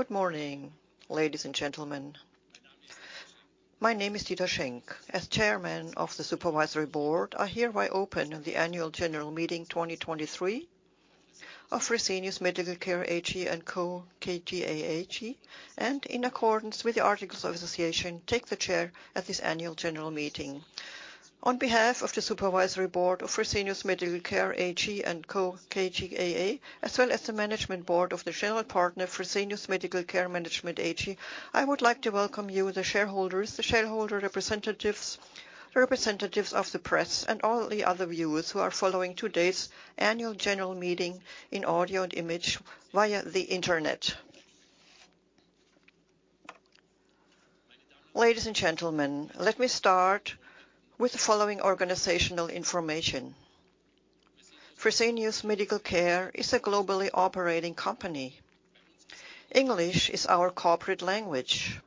Good morning, ladies and gentlemen. My name is Dieter Schenk. As chairman of the supervisory board, I hereby open the annual general meeting 2023 of Fresenius Medical Care AG & Co. KGaA, and in accordance with the Articles of Association, take the chair at this annual general meeting. On behalf of the supervisory board of Fresenius Medical Care AG & Co. KGaA, as well as the management board of the general partner Fresenius Medical Care Management AG, I would like to welcome you, the shareholders, the shareholder representatives of the press, and all the other viewers who are following today's annual general meeting in audio and image via the Internet. Ladies and gentlemen, let me start with the following organizational information. Fresenius Medical Care is a globally operating company. English is our corporate language.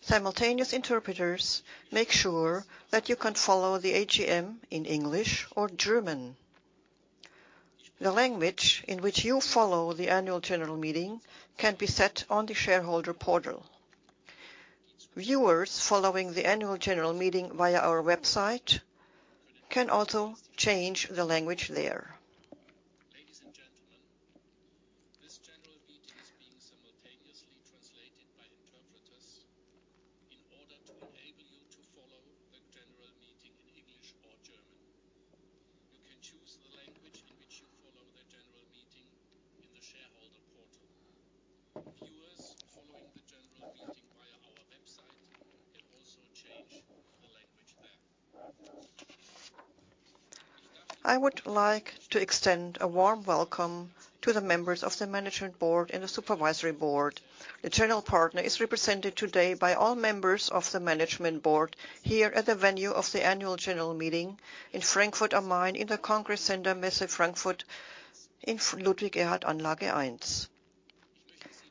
Simultaneous interpreters make sure that you can follow the AGM in English or German. The language in which you follow the annual general meeting can be set on the shareholder portal. Viewers following the annual general meeting via our website can also change the language there. Ladies and gentlemen, this general meeting is being simultaneously translated by interpreters in order to enable you to follow the general meeting in English or German. You can choose the language in which you follow the general meeting in the shareholder portal. Viewers following the general meeting via our website can also change the language there. I would like to extend a warm welcome to the members of the Management Board and the Supervisory Board. The general partner is represented today by all members of the Management Board here at the venue of the annual general meeting in Frankfurt am Main in the Congress Center Messe Frankfurt in Ludwig-Erhard-Anlage 1.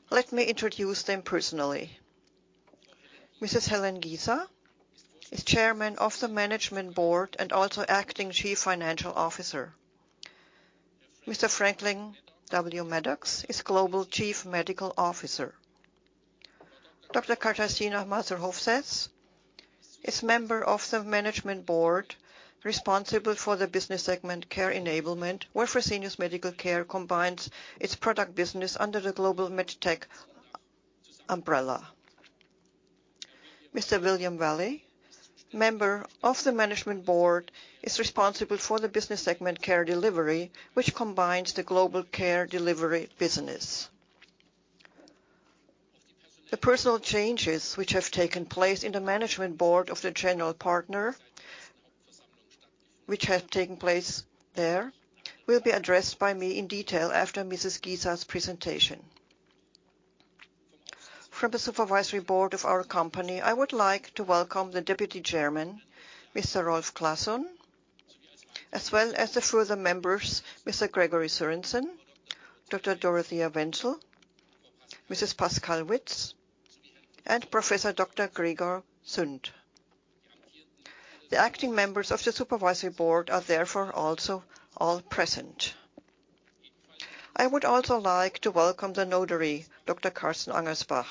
Let me introduce them personally. Mrs Helen Giza is Chairman of the Management Board and also acting Chief Financial Officer. Mr Franklin W. Maddux is Global Chief Medical Officer. Dr. Katarzyna Mazur-Hofsaess is Member of the Management Board responsible for the business segment Care Enablement, where Fresenius Medical Care combines its product business under the global MedTech umbrella. Mr. William Valle, Member of the Management Board, is responsible for the business segment Care Delivery, which combines the global Care Delivery business. The personal changes which have taken place in the management board of the general partner, which have taken place there, will be addressed by me in detail after Mrs. Giza's presentation. From the supervisory board of our company, I would like to welcome the deputy chairman, Mr. Rolf Classon, as well as the further members, Mr. Gregory Sorensen, Dr. Dorothea Wenzel, Mrs. Pascale Witz, and Professor Dr. Gregor Zünd. The acting members of the supervisory board are therefore also all present. I would also like to welcome the notary, Dr. Carsten Angersbach,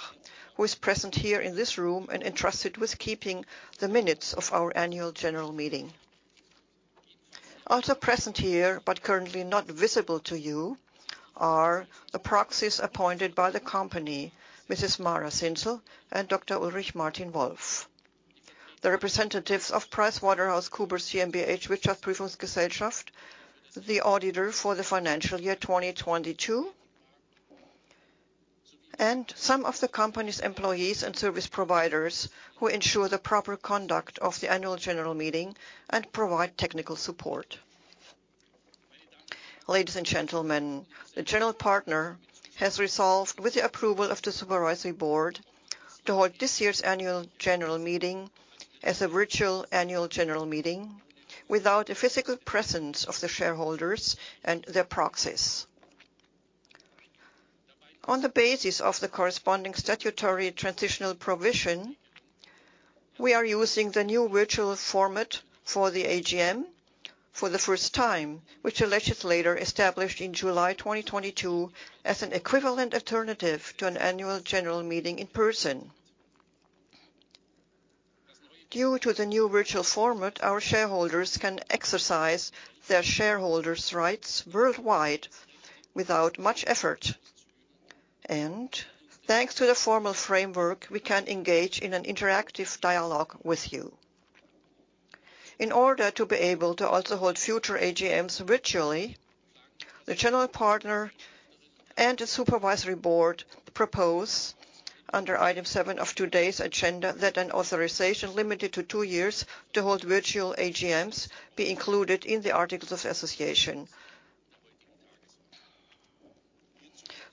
who is present here in this room and entrusted with keeping the minutes of our annual general meeting. Also present here, but currently not visible to you, are the proxies appointed by the company, Mrs. Mara Zinsel and Dr. Ulrich Martin Wolf. The representatives of PricewaterhouseCoopers GmbH.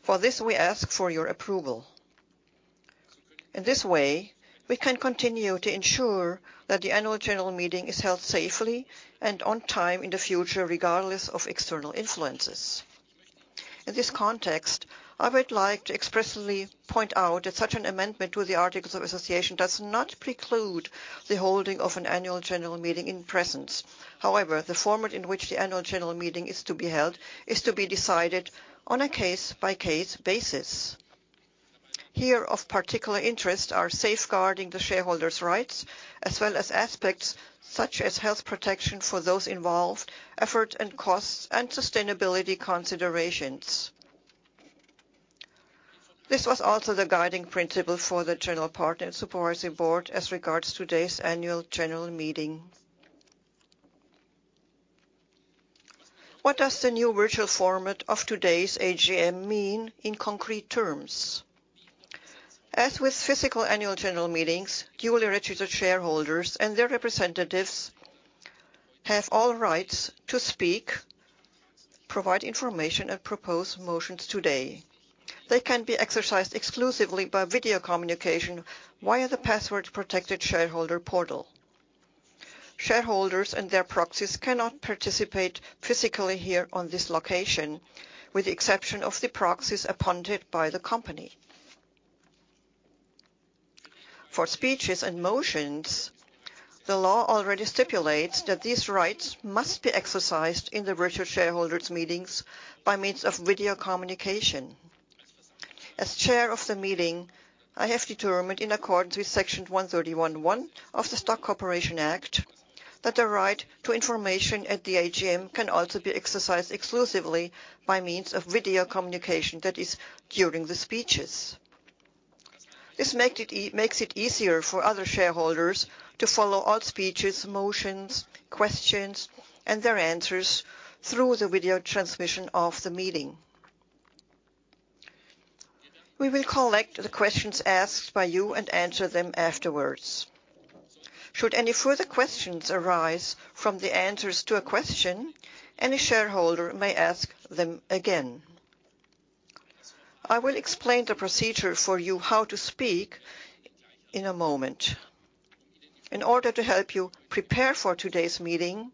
For this, we ask for your approval. In this way, we can continue to ensure that the annual general meeting is held safely and on time in the future, regardless of external influences. In this context, I would like to expressly point out that such an amendment to the Articles of Association does not preclude the holding of an annual general meeting in presence. However, the format in which the annual general meeting is to be held is to be decided on a case-by-case basis. Here, of particular interest are safeguarding the shareholders' rights as well as aspects such as health protection for those involved, effort and costs, and sustainability considerations. This was also the guiding principle for the general partner supervisory board as regards today's annual general meeting. What does the new virtual format of today's AGM mean in concrete terms? As with physical annual general meetings, duly registered shareholders and their representatives have all rights to speak, provide information, and propose motions today. They can be exercised exclusively by video communication via the password-protected shareholder portal. Shareholders and their proxies cannot participate physically here on this location, with the exception of the proxies appointed by the company. For speeches and motions, the law already stipulates that these rights must be exercised in the virtual shareholders meetings by means of video communication. As chair of the meeting, I have determined in accordance with Section 131 (1) of the German Stock Corporation Act that the right to information at the AGM can also be exercised exclusively by means of video communication, that is during the speeches. This makes it easier for other shareholders to follow all speeches, motions, questions, and their answers through the video transmission of the meeting. We will collect the questions asked by you and answer them afterwards. Should any further questions arise from the answers to a question, any shareholder may ask them again. I will explain the procedure for you how to speak in a moment. In order to help you prepare for today's meeting,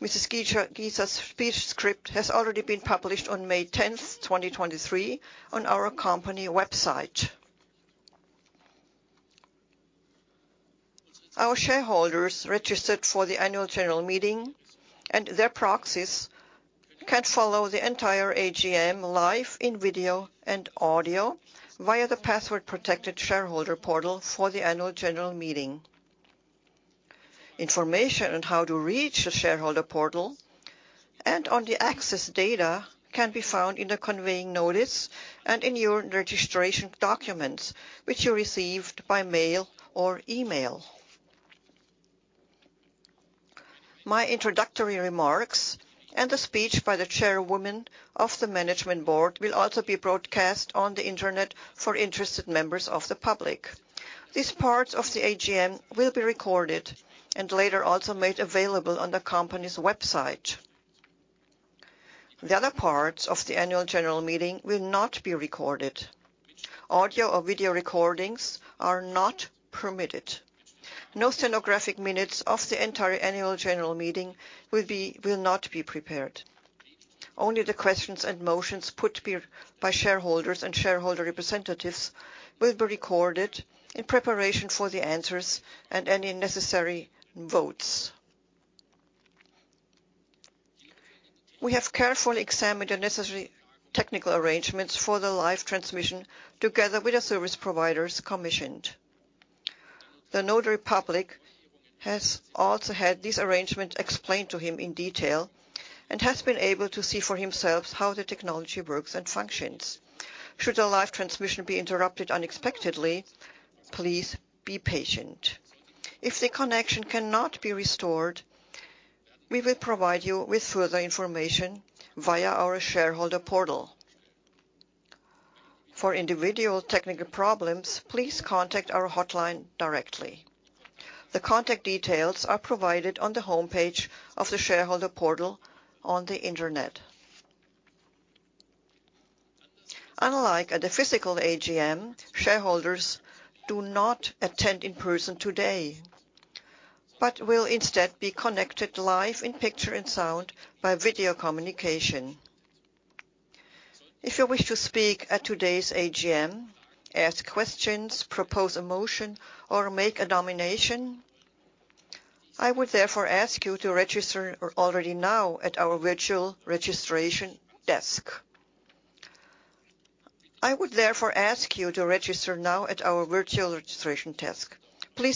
Mrs. Giza's speech script has already been published on May tenth, 2023 on our company website. Our shareholders registered for the annual general meeting and their proxies can follow the entire AGM live in video and audio via the password-protected shareholder portal for the annual general meeting. Information on how to reach the shareholder portal and on the access data can be found in the conveying notice and in your registration documents, which you received by mail or email. My introductory remarks and the speech by the chairwoman of the management board will also be broadcast on the Internet for interested members of the public. These parts of the AGM will be recorded and later also made available on the company's website. The other parts of the annual general meeting will not be recorded. Audio or video recordings are not permitted. No stenographic minutes of the entire annual general meeting will not be prepared. Only the questions and motions put by shareholders and shareholder representatives will be recorded in preparation for the answers and any necessary votes. We have carefully examined the necessary technical arrangements for the live transmission together with the service providers commissioned. The notary public has also had this arrangement explained to him in detail and has been able to see for himself how the technology works and functions. Should the live transmission be interrupted unexpectedly, please be patient. If the connection cannot be restored, we will provide you with further information via our shareholder portal. For individual technical problems, please contact our hotline directly. The contact details are provided on the homepage of the shareholder portal on the Internet. Unlike at the physical AGM, shareholders do not attend in person today, but will instead be connected live in picture and sound by video communication. If you wish to speak at today's AGM, ask questions, propose a motion, or make a nomination, I would therefore ask you to register now at our virtual registration desk. Please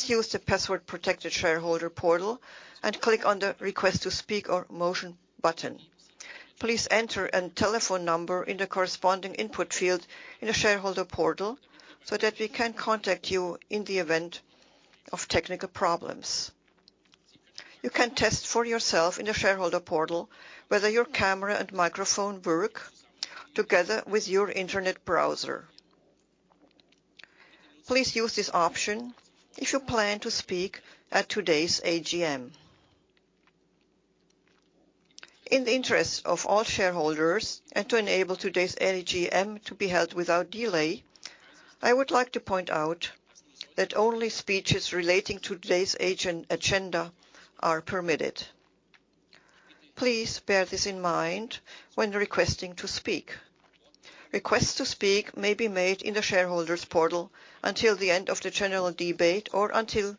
use the password-protected shareholder portal and click on the Request to Speak or Motion button. Please enter a telephone number in the corresponding input field in the shareholder portal so that we can contact you in the event of technical problems. You can test for yourself in the shareholder portal whether your camera and microphone work together with your Internet browser. Please use this option if you plan to speak at today's AGM. In the interest of all shareholders and to enable today's AGM to be held without delay, I would like to point out that only speeches relating to today's agenda are permitted. Please bear this in mind when requesting to speak. Requests to speak may be made in the shareholders portal until the end of the general debate or until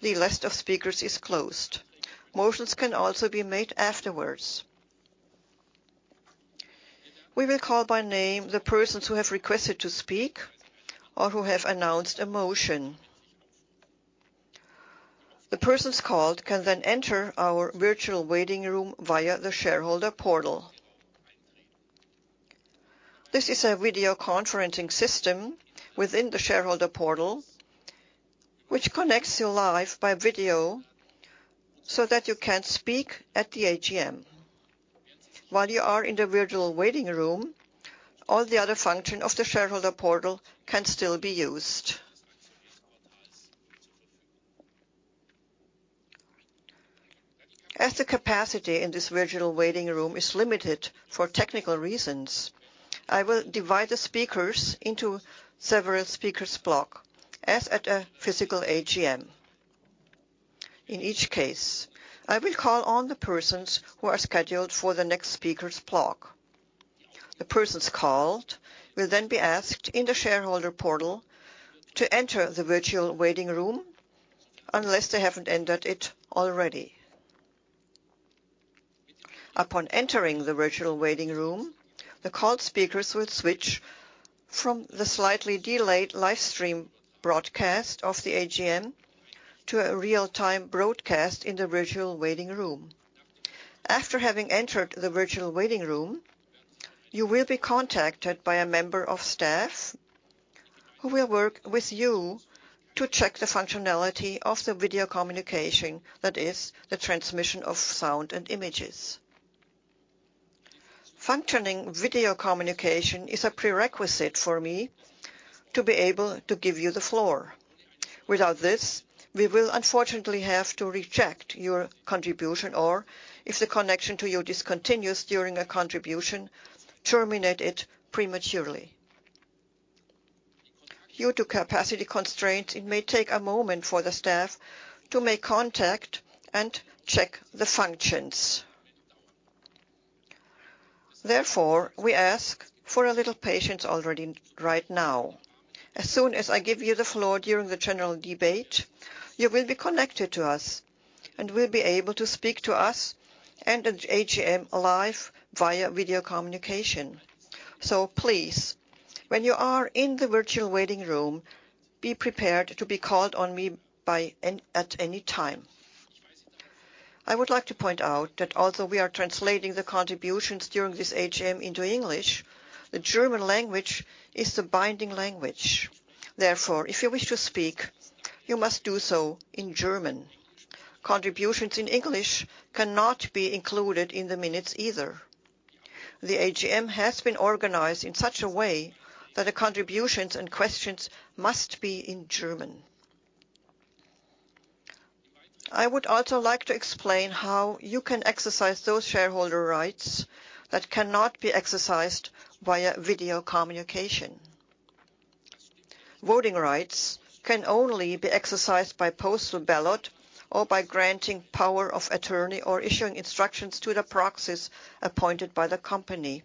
the list of speakers is closed. Motions can also be made afterwards. We will call by name the persons who have requested to speak or who have announced a motion. The persons called can then enter our virtual waiting room via the shareholder portal. This is a video conferencing system within the shareholder portal, which connects you live by video so that you can speak at the AGM. While you are in the virtual waiting room, all the other functions of the shareholder portal can still be used. As the capacity in this virtual waiting room is limited for technical reasons, I will divide the speakers into several speaker blocks, as at a physical AGM. In each case, I will call on the persons who are scheduled for the next speaker block. The persons called will then be asked in the shareholder portal to enter the virtual waiting room unless they haven't entered it already. Upon entering the virtual waiting room, the called speakers will switch from the slightly delayed live stream broadcast of the AGM to a real-time broadcast in the virtual waiting room. After having entered the virtual waiting room, you will be contacted by a member of staff who will work with you to check the functionality of the video communication, that is the transmission of sound and images. Functioning video communication is a prerequisite for me to be able to give you the floor. Without this, we will unfortunately have to reject your contribution, or if the connection to you discontinues during a contribution, terminate it prematurely. Due to capacity constraints, it may take a moment for the staff to make contact and check the functions. Therefore, we ask for a little patience already right now. As soon as I give you the floor during the general debate, you will be connected to us and will be able to speak to us and the AGM live via video communication. Please, when you are in the virtual waiting room, be prepared to be called on me at any time. I would like to point out that although we are translating the contributions during this AGM into English, the German language is the binding language. If you wish to speak, you must do so in German. Contributions in English cannot be included in the minutes either. The AGM has been organized in such a way that the contributions and questions must be in German. I would also like to explain how you can exercise those shareholder rights that cannot be exercised via video communication. Voting rights can only be exercised by postal ballot or by granting power of attorney or issuing instructions to the proxies appointed by the company.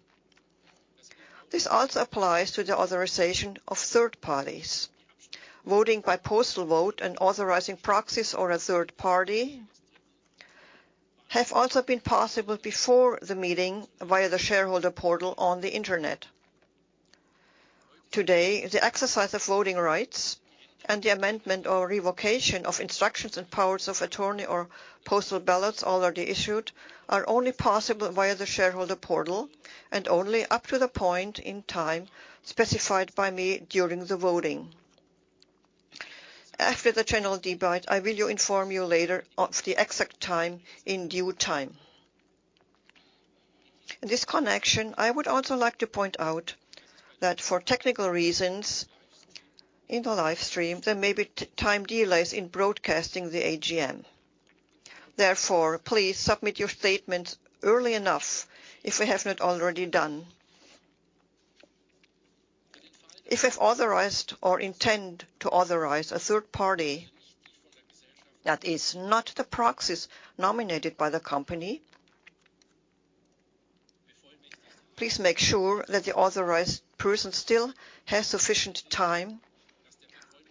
This also applies to the authorization of third parties. Voting by postal vote and authorizing proxies or a third party have also been possible before the meeting via the shareholder portal on the internet. Today, the exercise of voting rights and the amendment or revocation of instructions and powers of attorney or postal ballots already issued are only possible via the shareholder portal and only up to the point in time specified by me during the voting. After the general debate, I will inform you later of the exact time in due time. In this connection, I would also like to point out that for technical reasons in the live stream, there may be time delays in broadcasting the AGM. Please submit your statement early enough if you have not already done. If you've authorized or intend to authorize a third party that is not the proxies nominated by the company, please make sure that the authorized person still has sufficient time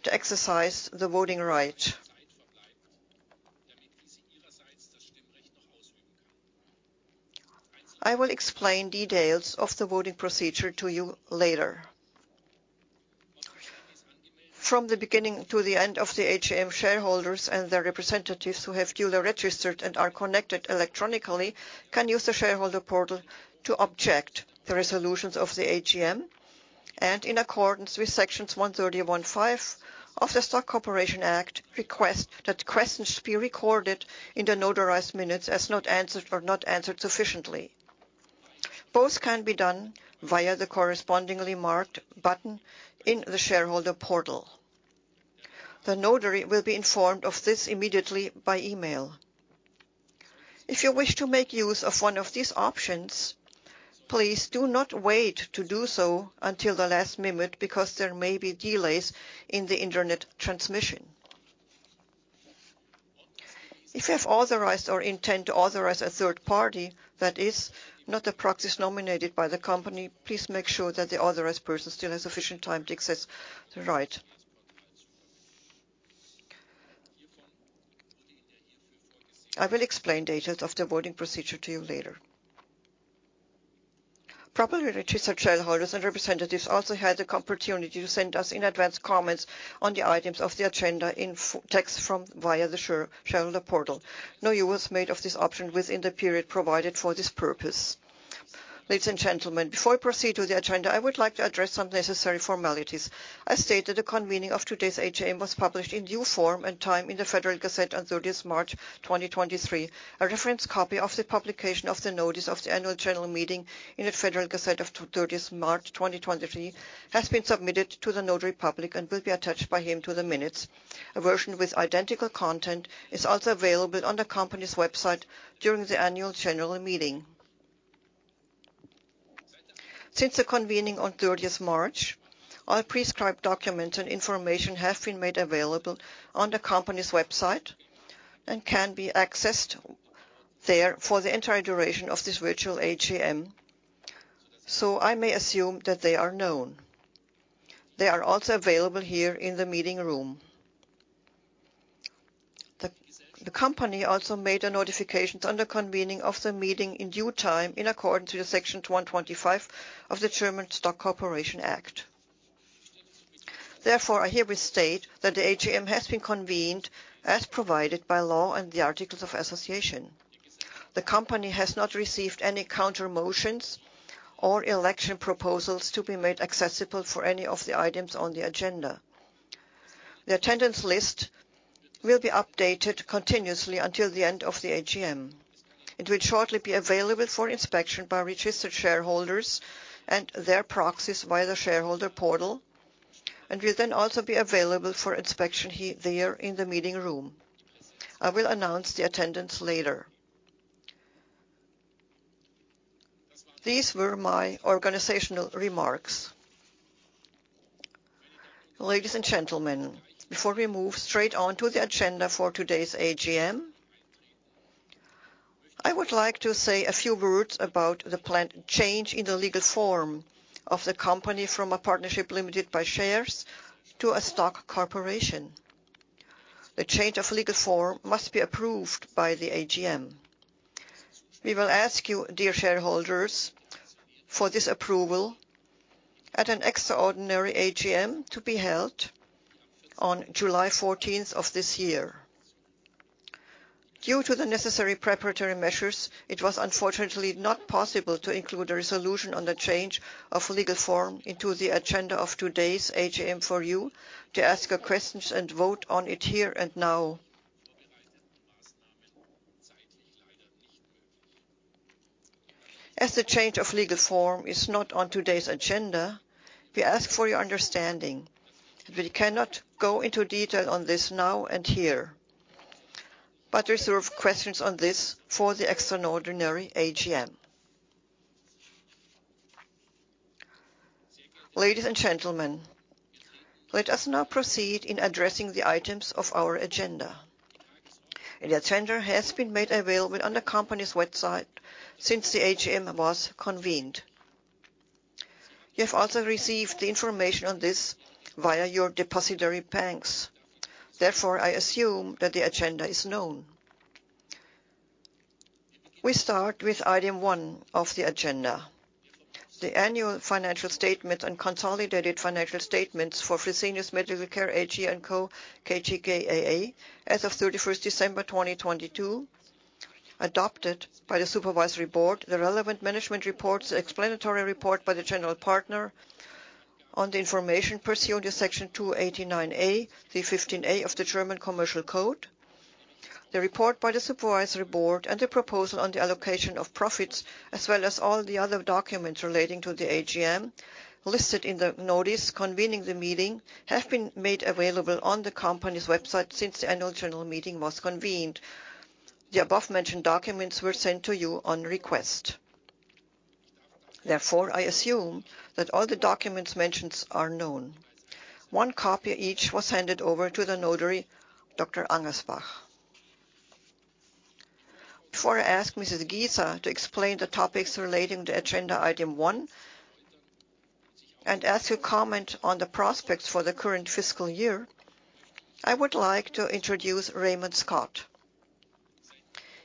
to exercise the voting right. I will explain details of the voting procedure to you later. From the beginning to the end of the AGM, shareholders and their representatives who have duly registered and are connected electronically can use the shareholder portal to object the resolutions of the AGM and in accordance with Section 131 (5) of the German Stock Corporation Act, request that questions should be recorded in the notarized minutes as not answered or not answered sufficiently. Both can be done via the correspondingly marked button in the shareholder portal. The notary will be informed of this immediately by email. If you wish to make use of one of these options, please do not wait to do so until the last minute because there may be delays in the internet transmission. If you have authorized or intend to authorize a third party that is not a practice nominated by the company, please make sure that the authorized person still has sufficient time to access the right. I will explain details of the voting procedure to you later. Properly registered shareholders and representatives also had the opportunity to send us in advance comments on the items of the agenda in text form via the share, shareholder portal. No use made of this option within the period provided for this purpose. Ladies and gentlemen, before I proceed to the agenda, I would like to address some necessary formalities. I state that the convening of today's AGM was published in due form and time in the Federal Gazette on 30th March 2023. A reference copy of the publication of the notice of the annual general meeting in the Federal Gazette of 30th March 2023 has been submitted to the notary public and will be attached by him to the minutes. A version with identical content is also available on the company's website during the annual general meeting. Since the convening on 30th March, all prescribed documents and information have been made available on the company's website and can be accessed there for the entire duration of this virtual AGM, so I may assume that they are known. They are also available here in the meeting room. The company also made a notification to under convening of the meeting in due time in accordance to Section 125 of the German Stock Corporation Act. I herewith state that the AGM has been convened as provided by law and the articles of association. The company has not received any counter motions or election proposals to be made accessible for any of the items on the agenda. The attendance list will be updated continuously until the end of the AGM. It will shortly be available for inspection by registered shareholders and their proxies via the shareholder portal, will then also be available for inspection there in the meeting room. I will announce the attendance later. These were my organizational remarks. Ladies and gentlemen, before we move straight on to the agenda for today's AGM, I would like to say a few words about the planned change in the legal form of the company from a partnership limited by shares to a stock corporation. The change of legal form must be approved by the AGM. We will ask you, dear shareholders, for this approval at an extraordinary AGM to be held on July 14th of this year. Due to the necessary preparatory measures, it was unfortunately not possible to include a resolution on the change of legal form into the agenda of today's AGM for you to ask your questions and vote on it here and now. As the change of legal form is not on today's agenda, we ask for your understanding that we cannot go into detail on this now and here, but reserve questions on this for the extraordinary AGM. Ladies and gentlemen, let us now proceed in addressing the items of our agenda. The agenda has been made available on the company's website since the AGM was convened. You have also received the information on this via your depository banks. Therefore, I assume that the agenda is known. We start with item 1 of the agenda, the annual financial statement and consolidated financial statements for Fresenius Medical Care AG & Co. KGaA as of 31st December 2022, adopted by the Supervisory Board, the relevant management reports, the explanatory report by the general partner on the information pursuant to Section 289a, 315a of the German Commercial Code. The report by the Supervisory Board and the proposal on the allocation of profits, as well as all the other documents relating to the AGM listed in the notice convening the meeting, have been made available on the company's website since the annual general meeting was convened. The above-mentioned documents were sent to you on request. Therefore, I assume that all the documents mentioned are known. One copy each was handed over to the notary, Dr. Angersbach. Before I ask Mrs. Giza to explain the topics relating to agenda item one and as you comment on the prospects for the current fiscal year, I would like to introduce Raymond Scott.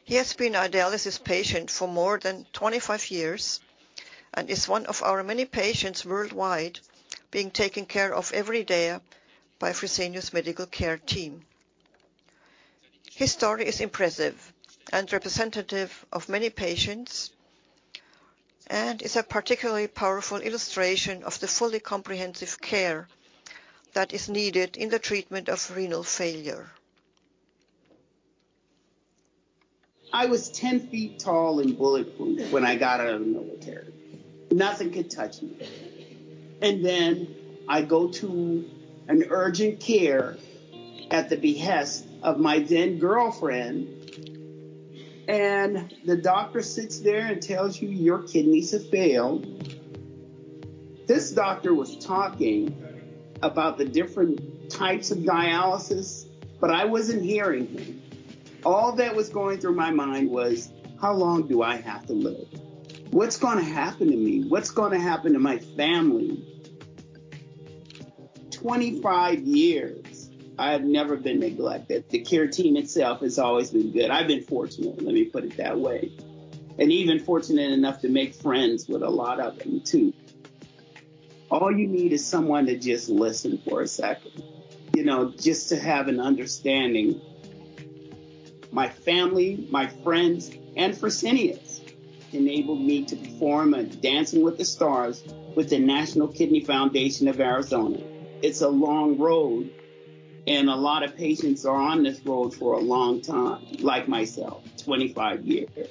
He has been a dialysis patient for more than 25 years and is one of our many patients worldwide being taken care of every day by Fresenius Medical Care team. His story is impressive and representative of many patients, and is a particularly powerful illustration of the fully comprehensive care that is needed in the treatment of renal failure. I was 10 feet tall and bulletproof when I got out of the military. Nothing could touch me. I go to an urgent care at the behest of my then girlfriend, and the doctor sits there and tells you your kidneys have failed. This doctor was talking about the different types of dialysis, but I wasn't hearing him. All that was going through my mind was, "How long do I have to live? What's gonna happen to me? What's gonna happen to my family?" 25 years I have never been neglected. The care team itself has always been good. I've been fortunate, let me put it that way, and even fortunate enough to make friends with a lot of them too. All you need is someone to just listen for a second, you know, just to have an understanding. My family, my friends, and Fresenius enabled me to perform at Dancing with the Stars with the National Kidney Foundation of Arizona. It's a long road, and a lot of patients are on this road for a long time, like myself, 25 years.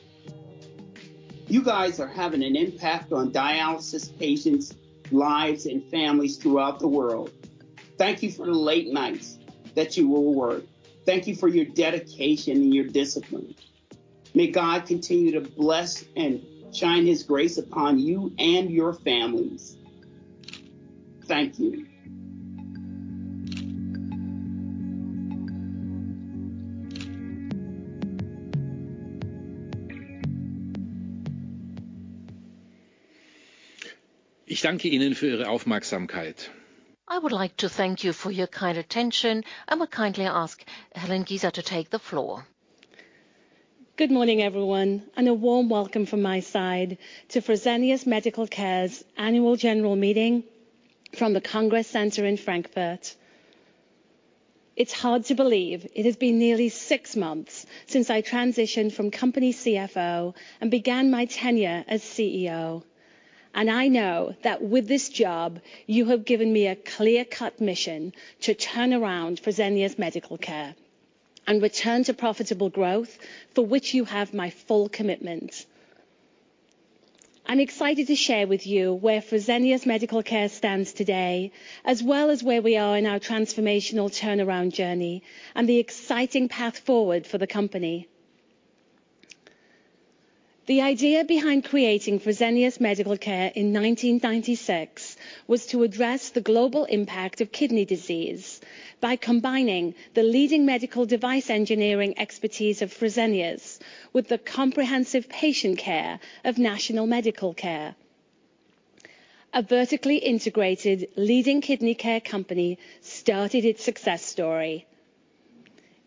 You guys are having an impact on dialysis patients' lives and families throughout the world. Thank you for the late nights that you were worried. Thank you for your dedication and your discipline. May God continue to bless and shine his grace upon you and your families. Thank you. I would like to thank you for your kind attention and will kindly ask Helen Giza to take the floor. Good morning, everyone, and a warm welcome from my side to Fresenius Medical Care's annual general meeting from the Congress Center in Frankfurt. It's hard to believe it has been nearly six months since I transitioned from company CFO and began my tenure as CEO. I know that with this job, you have given me a clear-cut mission to turn around Fresenius Medical Care and return to profitable growth, for which you have my full commitment. I'm excited to share with you where Fresenius Medical Care stands today, as well as where we are in our transformational turnaround journey and the exciting path forward for the company. The idea behind creating Fresenius Medical Care in 1996 was to address the global impact of kidney disease by combining the leading medical device engineering expertise of Fresenius with the comprehensive patient care of National Medical Care. A vertically integrated leading kidney care company started its success story.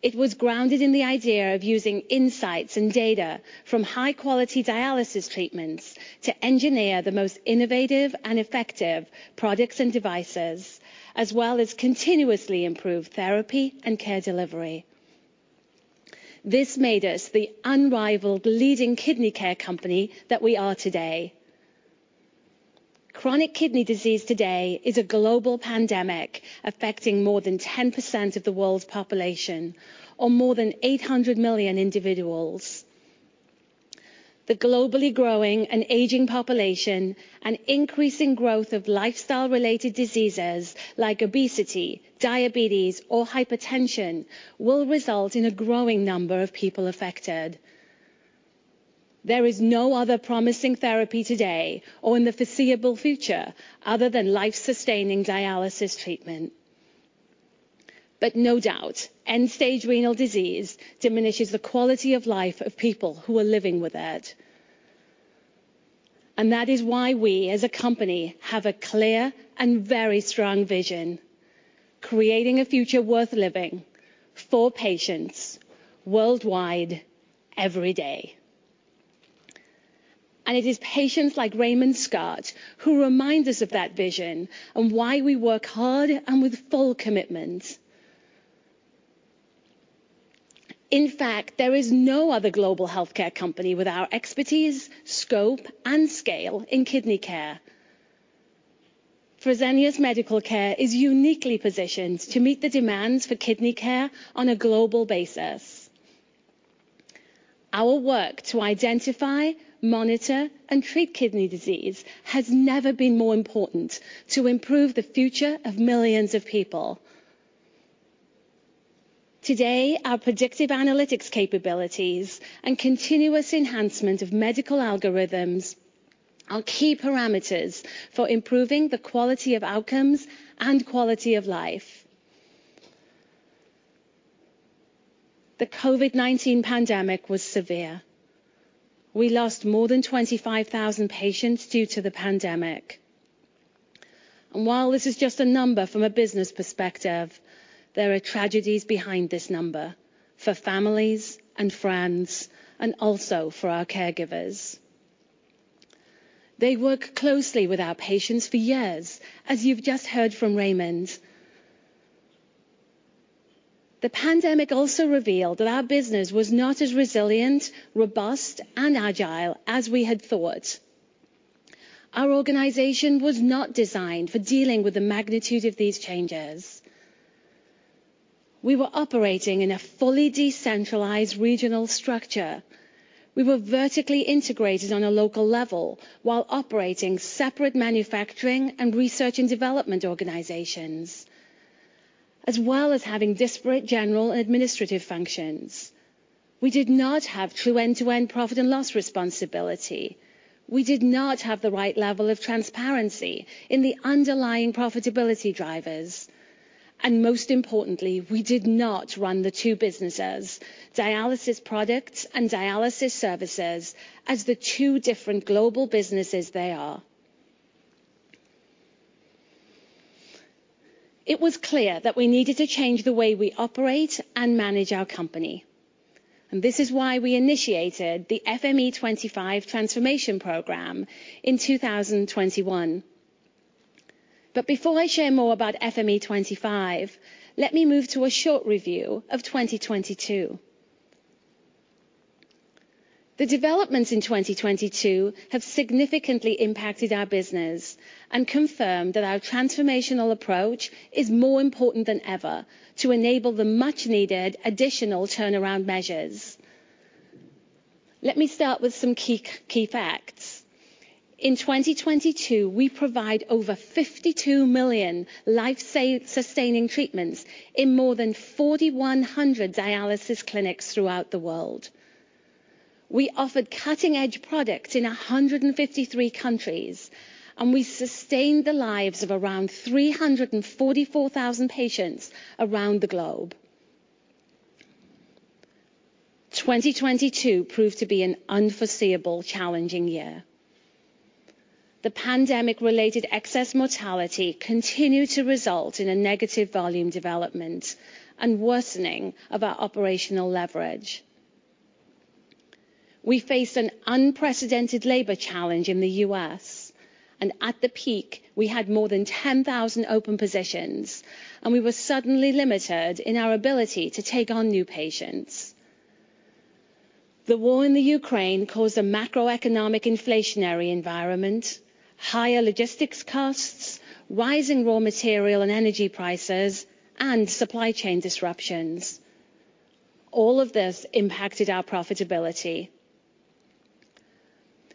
It was grounded in the idea of using insights and data from high-quality dialysis treatments to engineer the most innovative and effective products and devices, as well as continuously improve therapy and care delivery. This made us the unrivaled leading kidney care company that we are today. Chronic kidney disease today is a global pandemic affecting more than 10% of the world's population or more than 800 million individuals. The globally growing and aging population and increasing growth of lifestyle-related diseases like obesity, diabetes, or hypertension will result in a growing number of people affected. There is no other promising therapy today or in the foreseeable future other than life-sustaining dialysis treatment. No doubt, end-stage renal disease diminishes the quality of life of people who are living with it. That is why we as a company have a clear and very strong vision, creating a future worth living for patients worldwide every day. It is patients like Raymond Scott who remind us of that vision and why we work hard and with full commitment. In fact, there is no other global healthcare company with our expertise, scope, and scale in kidney care. Fresenius Medical Care is uniquely positioned to meet the demands for kidney care on a global basis. Our work to identify, monitor, and treat kidney disease has never been more important to improve the future of millions of people. Today, our predictive analytics capabilities and continuous enhancement of medical algorithms are key parameters for improving the quality of outcomes and quality of life. The COVID-19 pandemic was severe. We lost more than 25,000 patients due to the pandemic. While this is just a number from a business perspective, there are tragedies behind this number for families and friends and also for our caregivers. They work closely with our patients for years, as you've just heard from Raymond. The pandemic also revealed that our business was not as resilient, robust, and agile as we had thought. Our organization was not designed for dealing with the magnitude of these changes. We were operating in a fully decentralized regional structure. We were vertically integrated on a local level while operating separate manufacturing and research and development organizations. As well as having disparate general and administrative functions. We did not have true end-to-end profit and loss responsibility. We did not have the right level of transparency in the underlying profitability drivers. Most importantly, we did not run the two businesses, dialysis products and dialysis services, as the two different global businesses they are. It was clear that we needed to change the way we operate and manage our company, and this is why we initiated the FME 25 transformation program in 2021. Before I share more about FME 25, let me move to a short review of 2022. The developments in 2022 have significantly impacted our business and confirmed that our transformational approach is more important than ever to enable the much-needed additional turnaround measures. Let me start with some key facts. In 2022, we provide over 52 million life-sustaining treatments in more than 4,100 dialysis clinics throughout the world. We offered cutting-edge products in 153 countries, and we sustained the lives of around 344,000 patients around the globe. 2022 proved to be an unforeseeable challenging year. The pandemic-related excess mortality continued to result in a negative volume development and worsening of our operational leverage. We faced an unprecedented labor challenge in the U.S., and at the peak, we had more than 10,000 open positions, and we were suddenly limited in our ability to take on new patients. The war in the Ukraine caused a macroeconomic inflationary environment, higher logistics costs, rising raw material and energy prices, and supply chain disruptions. All of this impacted our profitability.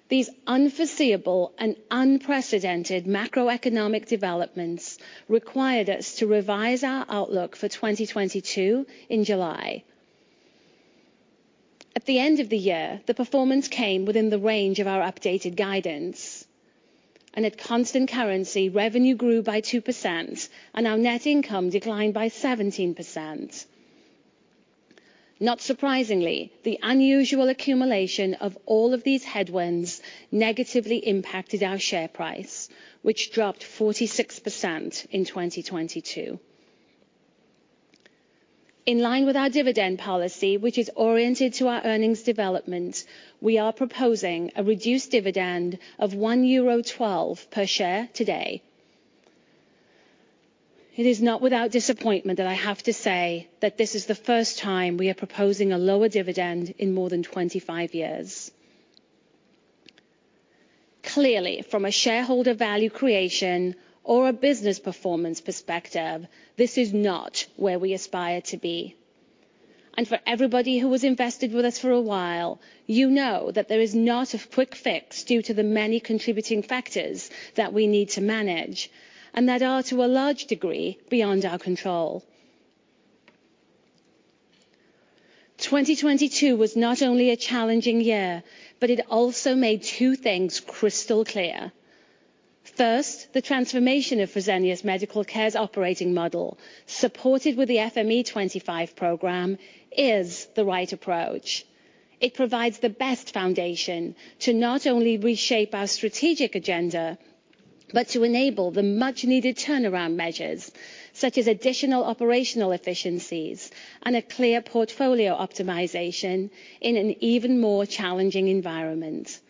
These unforeseeable and unprecedented macroeconomic developments required us to revise our outlook for 2022 in July. At the end of the year, the performance came within the range of our updated guidance. At constant currency, revenue grew by 2%, and our net income declined by 17%. Not surprisingly, the unusual accumulation of all of these headwinds negatively impacted our share price, which dropped 46% in 2022. In line with our dividend policy, which is oriented to our earnings development, we are proposing a reduced dividend of EUR 1.12 per share today. It is not without disappointment that I have to say that this is the first time we are proposing a lower dividend in more than 25 years. Clearly, from a shareholder value creation or a business performance perspective, this is not where we aspire to be. For everybody who has invested with us for a while, you know that there is not a quick fix due to the many contributing factors that we need to manage, and that are, to a large degree, beyond our control. 2022 was not only a challenging year, but it also made two things crystal clear. First, the transformation of Fresenius Medical Care's operating model, supported with the FME 25 program, is the right approach. It provides the best foundation to not only reshape our strategic agenda, but to enable the much-needed turnaround measures, such as additional operational efficiencies and a clear portfolio optimization in an even more challenging environment.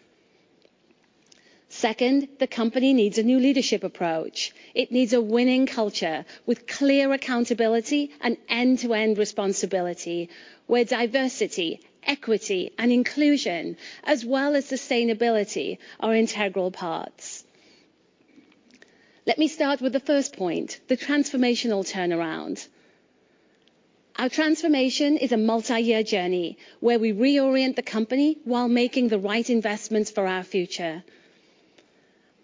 Second, the company needs a new leadership approach. It needs a winning culture with clear accountability and end-to-end responsibility, where diversity, equity, and inclusion, as well as sustainability, are integral parts. Let me start with the first point, the transformational turnaround. Our transformation is a multi-year journey where we reorient the company while making the right investments for our future.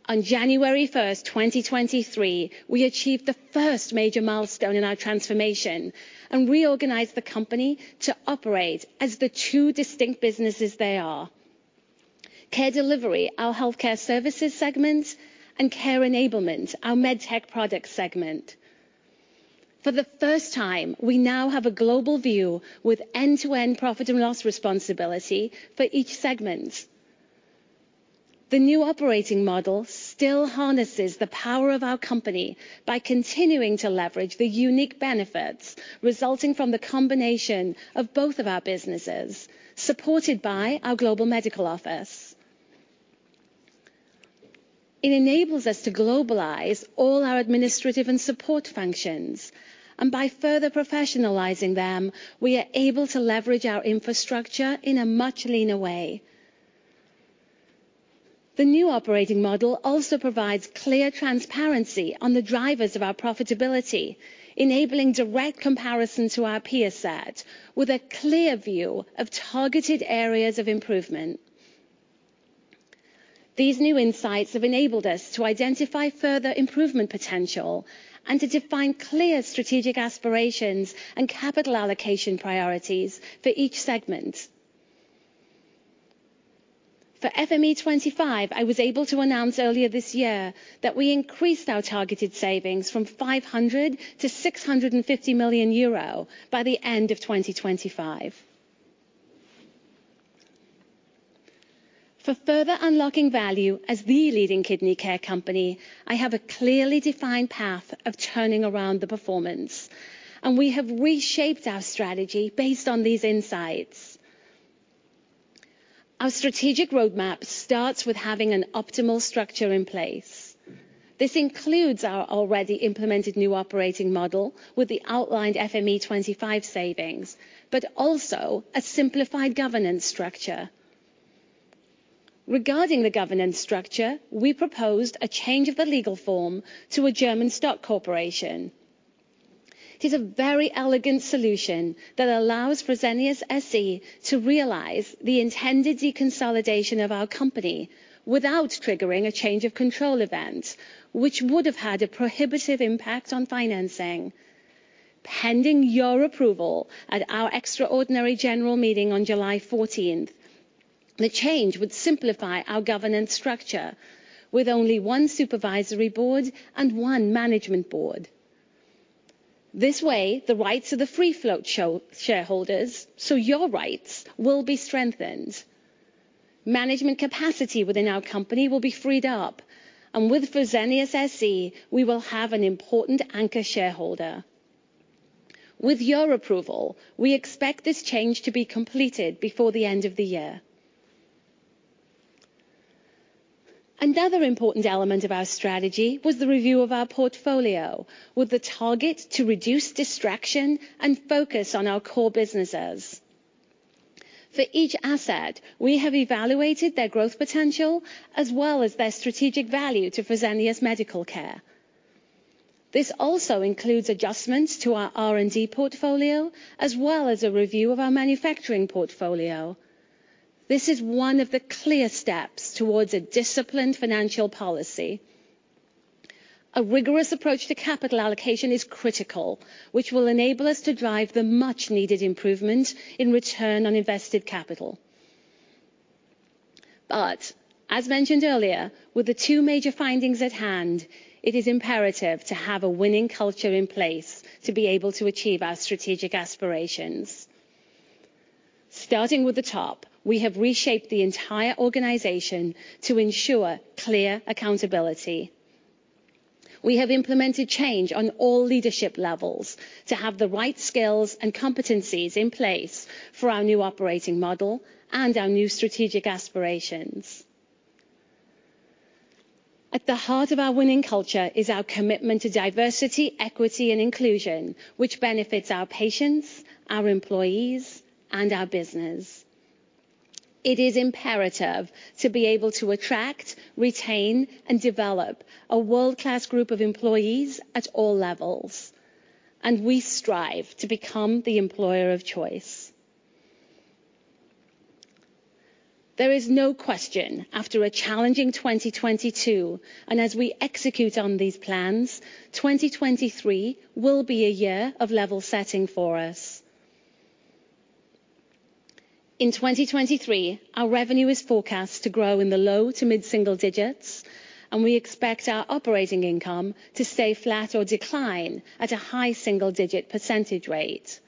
On January 1, 2023, we achieved the first major milestone in our transformation and reorganized the company to operate as the two distinct businesses they are. Care Delivery, our healthcare services segment, and Care Enablement, our MedTech products segment. For the first time, we now have a global view with end-to-end profit and loss responsibility for each segment. The new operating model still harnesses the power of our company by continuing to leverage the unique benefits resulting from the combination of both of our businesses, supported by our global medical office. It enables us to globalize all our administrative and support functions, and by further professionalizing them, we are able to leverage our infrastructure in a much leaner way. The new operating model also provides clear transparency on the drivers of our profitability, enabling direct comparison to our peer set with a clear view of targeted areas of improvement. These new insights have enabled us to identify further improvement potential and to define clear strategic aspirations and capital allocation priorities for each segment. For FME 25, I was able to announce earlier this year that we increased our targeted savings from 500 to 650 million euro by the end of 2025. For further unlocking value as the leading kidney care company, I have a clearly defined path of turning around the performance, and we have reshaped our strategy based on these insights. Our strategic roadmap starts with having an optimal structure in place. This includes our already implemented new operating model with the outlined FME 25 savings, but also a simplified governance structure. Regarding the governance structure, we proposed a change of the legal form to a German stock corporation. It is a very elegant solution that allows Fresenius SE to realize the intended deconsolidation of our company without triggering a change of control event, which would have had a prohibitive impact on financing. Pending your approval at our extraordinary general meeting on July 14th, the change would simplify our governance structure with only one supervisory board and one management board. This way, the rights of the free float shareholders, so your rights, will be strengthened. Management capacity within our company will be freed up, and with Fresenius SE, we will have an important anchor shareholder. With your approval, we expect this change to be completed before the end of the year. Another important element of our strategy was the review of our portfolio, with the target to reduce distraction and focus on our core businesses. For each asset, we have evaluated their growth potential, as well as their strategic value to Fresenius Medical Care. This also includes adjustments to our R&D portfolio, as well as a review of our manufacturing portfolio. This is one of the clear steps towards a disciplined financial policy. A rigorous approach to capital allocation is critical, which will enable us to drive the much-needed improvement in return on invested capital. As mentioned earlier, with the two major findings at hand, it is imperative to have a winning culture in place to be able to achieve our strategic aspirations. Starting with the top, we have reshaped the entire organization to ensure clear accountability. We have implemented change on all leadership levels to have the right skills and competencies in place for our new operating model and our new strategic aspirations. At the heart of our winning culture is our commitment to diversity, equity, and inclusion, which benefits our patients, our employees, and our business. It is imperative to be able to attract, retain, and develop a world-class group of employees at all levels, and we strive to become the employer of choice. There is no question after a challenging 2022. As we execute on these plans, 2023 will be a year of level setting for us. In 2023, our revenue is forecast to grow in the low to mid-single digits, and we expect our operating income to stay flat or decline at a high single-digit percentage rate.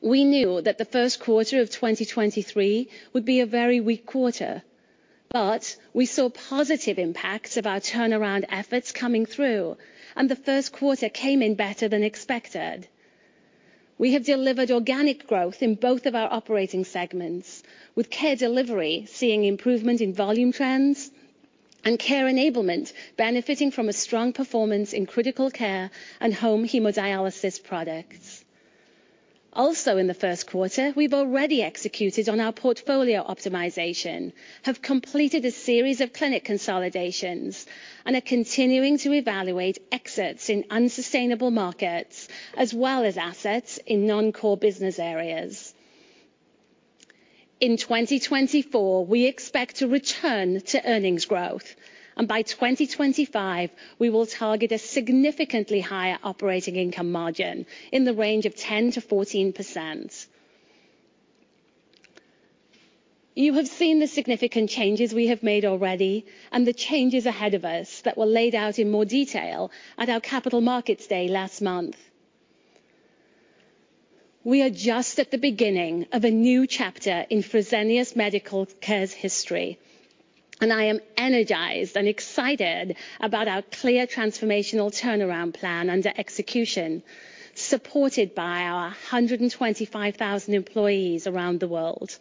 We knew that the first quarter of 2023 would be a very weak quarter, but we saw positive impacts of our turnaround efforts coming through, and the first quarter came in better than expected. We have delivered organic growth in both of our operating segments, with Care Delivery seeing improvement in volume trends and Care Enablement benefiting from a strong performance in critical care and home hemodialysis products. Also, in the first quarter, we've already executed on our portfolio optimization, have completed a series of clinic consolidations, and are continuing to evaluate exits in unsustainable markets as well as assets in non-core business areas. In 2024, we expect to return to earnings growth, and by 2025, we will target a significantly higher operating income margin in the range of 10%-14%. You have seen the significant changes we have made already and the changes ahead of us that were laid out in more detail at our Capital Markets Day last month. We are just at the beginning of a new chapter in Fresenius Medical Care's history, and I am energized and excited about our clear transformational turnaround plan under execution, supported by our 125,000 employees around the world.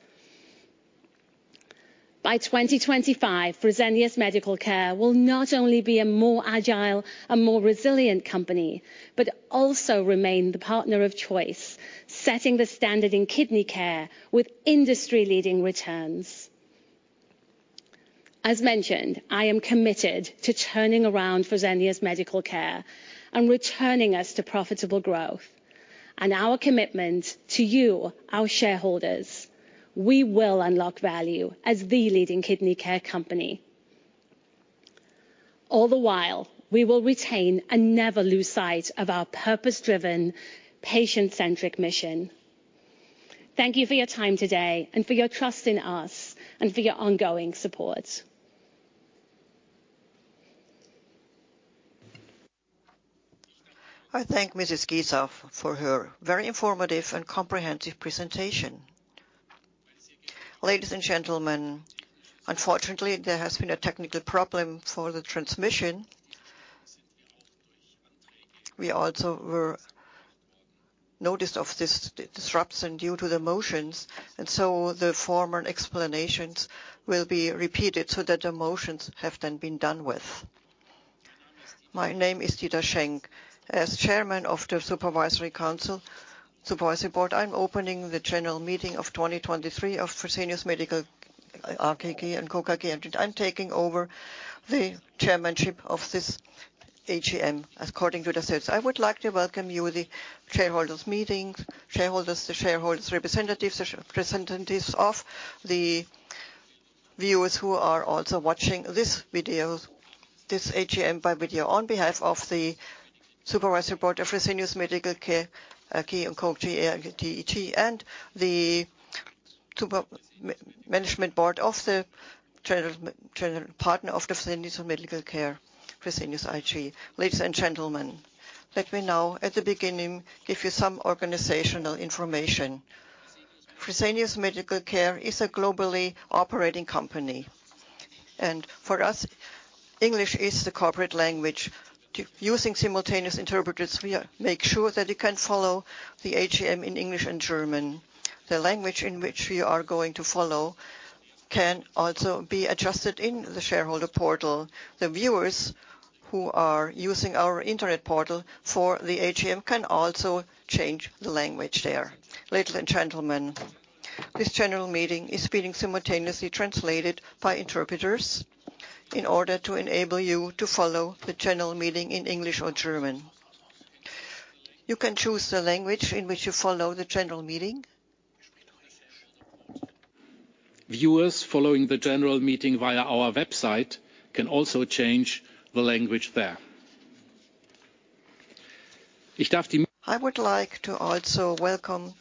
By 2025, Fresenius Medical Care will not only be a more agile and more resilient company, but also remain the partner of choice, setting the standard in kidney care with industry-leading returns. As mentioned, I am committed to turning around Fresenius Medical Care and returning us to profitable growth. Our commitment to you, our shareholders, we will unlock value as the leading kidney care company. All the while, we will retain and never lose sight of our purpose-driven, patient-centric mission. Thank you for your time today, and for your trust in us, and for your ongoing support. I thank Mrs. Giza for her very informative and comprehensive presentation. Ladies and gentlemen, unfortunately, there has been a technical problem for the transmission. We also were notified of this disruption due to the motions, so the former explanations will be repeated so that the motions have then been done with. My name is Dieter Schenk. As Chairman of the Supervisory Board, I'm opening the general meeting of 2023 of Fresenius Medical Care AG & Co. KGaA. I'm taking over the chairmanship of this AGM according to the statutes. I would like to welcome you, the shareholders, representatives of the viewers who are also watching this AGM by video on behalf of the Supervisory Board of Fresenius Medical Care AG & Co. KGaA and the Management Board of the general partner of Fresenius Medical Care, Fresenius Medical Care Management AG. Ladies and gentlemen, let me now, at the beginning, give you some organizational information. Fresenius Medical Care is a globally operating company. For us, English is the corporate language. Using simultaneous interpreters, we make sure that you can follow the AGM in English and German. The language in which we are going to follow can also be adjusted in the shareholder portal. The viewers who are using our internet portal for the AGM can also change the language there. Ladies and gentlemen, this general meeting is being simultaneously translated by interpreters in order to enable you to follow the general meeting in English or German. You can choose the language in which you follow the general meeting. Viewers following the general meeting via our website can also change the language there. I would like to also welcome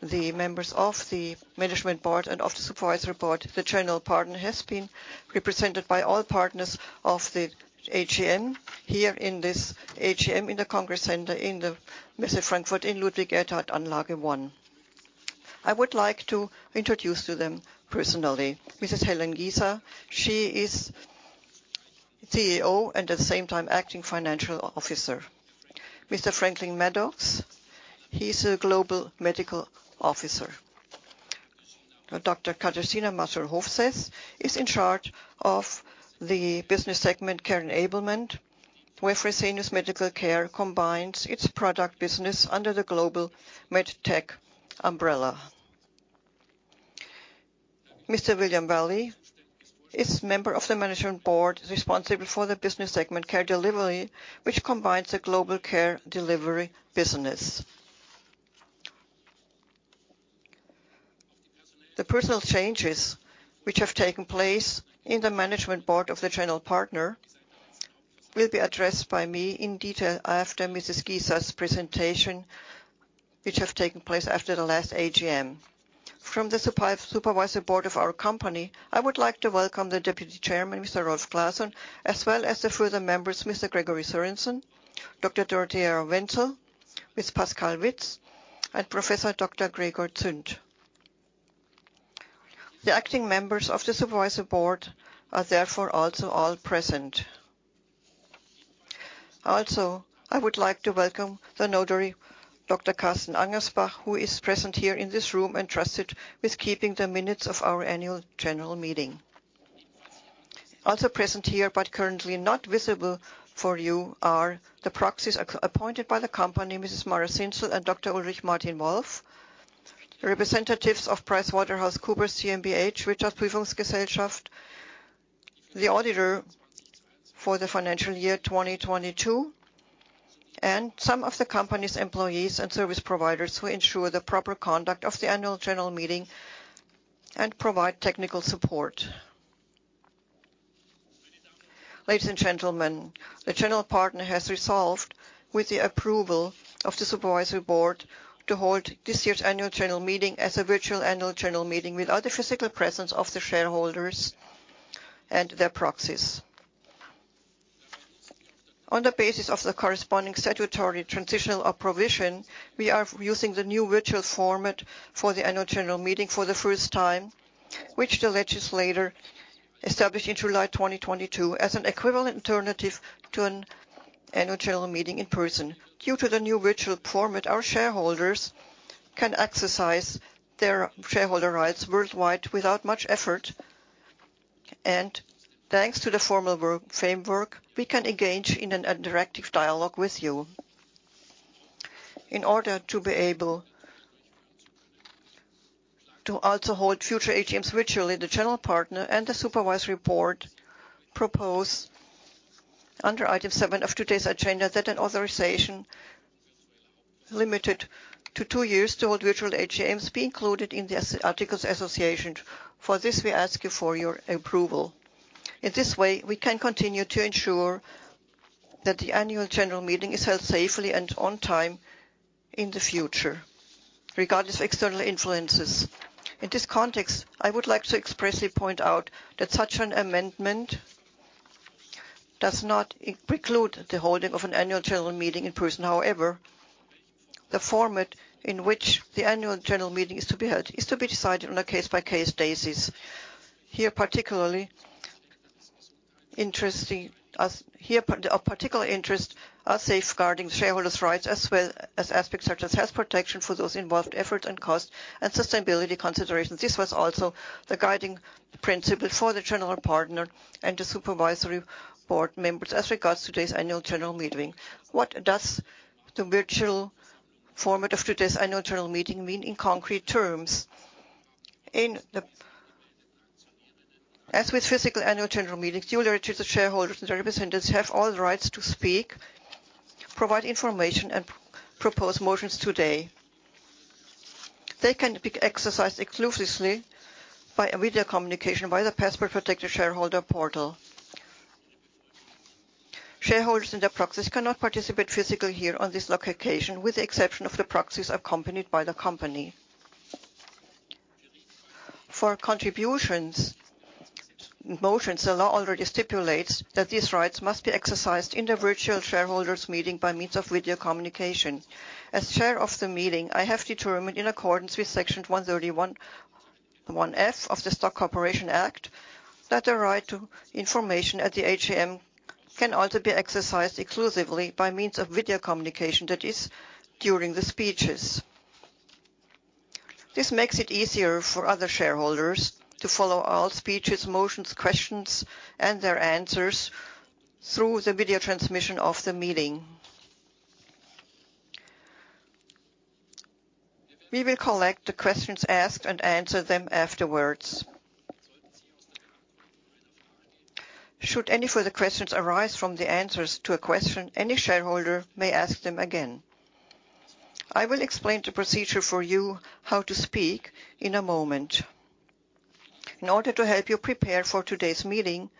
the members of the Management Board and of the Supervisory Board. The general partner has been represented by all partners of the AGM here in this AGM in the Congress Center in the Messe Frankfurt in Ludwig-Erhard-Anlage 1. I would like to introduce to them personally Mrs. Helen Giza. She is CEO and at the same time Acting Financial Officer. Mr. Franklin W. Maddux, he's a Global Medical Officer. Dr. Katarzyna Mazur-Hofsaess is in charge of the business segment Care Enablement, where Fresenius Medical Care combines its product business under the global MedTech umbrella. Mr. William Valle is member of the Management Board responsible for the business segment Care Delivery, which combines the global care delivery business. The personal changes which have taken place in the Management Board of the general partner will be addressed by me in detail after Mrs. Giza's presentation, which have taken place after the last AGM. From the Supervisory Board of our company, I would like to welcome the Deputy Chairman, Mr. Rolf Classon, as well as the further members, Mr. Gregory Sorensen, Dr. Dorothea Wenzel, Ms. Pascale Witz, and Professor Dr. Gregor Zünd. The acting members of the Supervisory Board are therefore also all present. Also, I would like to welcome the notary, Dr. Carsten Angersbach, who is present here in this room and trusted with keeping the minutes of our annual general meeting. Also present here, but currently not visible for you, are the proxies appointed by the company, Mrs. Mara Zinsel and. Dr. Ulrich Martin Wolf, the representatives of PricewaterhouseCoopers GmbH, which are Prüfungsgesellschaft, the auditor for the financial year 2022, and some of the company's employees and service providers who ensure the proper conduct of the annual general meeting and provide technical support. Ladies and gentlemen, the general partner has resolved with the approval of the Supervisory Board to hold this year's annual general meeting as a virtual annual general meeting without the physical presence of the shareholders and their proxies. On the basis of the corresponding statutory transitional provision, we are using the new virtual format for the annual general meeting for the first time, which the legislator established in July 2022 as an equivalent alternative to an annual general meeting in person. Due to the new virtual format, our shareholders can exercise their shareholder rights worldwide without much effort. Thanks to the formal work framework, we can engage in an interactive dialogue with you. In order to be able to also hold future AGMs virtually, the general partner and the supervisory board propose under item seven of today's agenda that an authorization limited to two years to hold virtual AGMs be included in the as-articles association. For this, we ask you for your approval. In this way, we can continue to ensure that the annual general meeting is held safely and on time in the future, regardless of external influences. In this context, I would like to expressly point out that such an amendment does not preclude the holding of an annual general meeting in person. However, the format in which the annual general meeting is to be held is to be decided on a case-by-case basis. Of particular interest are safeguarding shareholders' rights as well as aspects such as health protection for those involved, effort and cost, and sustainability considerations. This was also the guiding principle for the general partner and the supervisory board members as regards today's annual general meeting. What does the virtual format of today's annual general meeting mean in concrete terms? As with physical annual general meetings, you, the registered shareholders and representatives, have all the rights to speak, provide information, and propose motions today. They can be exercised exclusively by a video communication via the password-protected shareholder portal. Shareholders and their proxies cannot participate physically here on this location, with the exception of the proxies accompanied by the company. For contributions and motions, the law already stipulates that these rights must be exercised in the virtual shareholders meeting by means of video communication. As chair of the meeting, I have determined in accordance with Section 131 1 F of the Stock Corporation Act that the right to information at the AGM can also be exercised exclusively by means of video communication, that is, during the speeches. This makes it easier for other shareholders to follow all speeches, motions, questions, and their answers through the video transmission of the meeting. We will collect the questions asked and answer them afterwards. Should any further questions arise from the answers to a question, any shareholder may ask them again. I will explain the procedure for you how to speak in a moment. In order to help you prepare for today's meeting,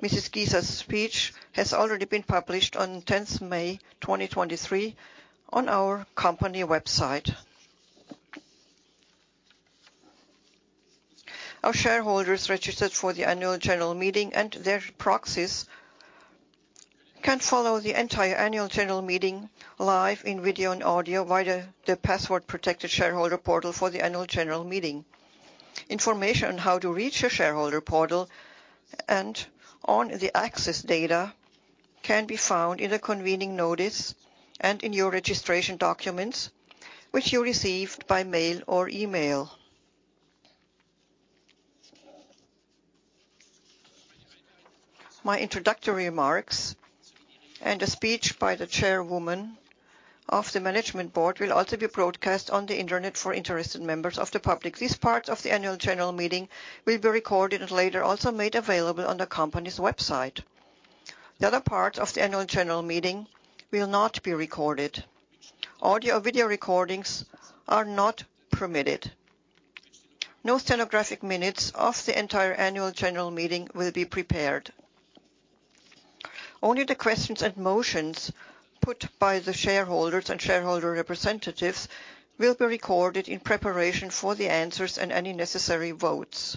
Mrs. Giza's speech has already been published on 10th May 2023 on our company website. Our shareholders registered for the annual general meeting and their proxies can follow the entire annual general meeting live in video and audio via the password-protected shareholder portal for the annual general meeting. Information on how to reach your shareholder portal and on the access data can be found in the convening notice and in your registration documents, which you received by mail or email. My introductory remarks and a speech by the Chairwoman of the Management Board will also be broadcast on the Internet for interested members of the public. These parts of the annual general meeting will be recorded and later also made available on the company's website. The other parts of the annual general meeting will not be recorded. Audio or video recordings are not permitted. No stenographic minutes of the entire annual general meeting will be prepared. Only the questions and motions put by the shareholders and shareholder representatives will be recorded in preparation for the answers and any necessary votes.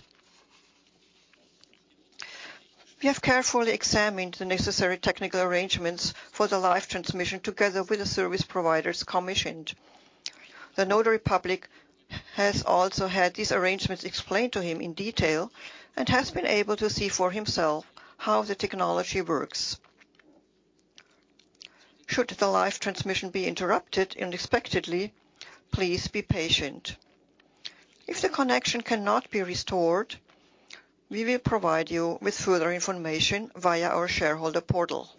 We have carefully examined the necessary technical arrangements for the live transmission together with the service providers commissioned. The notary public has also had these arrangements explained to him in detail and has been able to see for himself how the technology works. Should the live transmission be interrupted unexpectedly, please be patient. If the connection cannot be restored, we will provide you with further information via our shareholder portal.